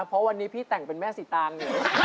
เพราะวันนี้พี่แต่งเป็นแม่สีตาง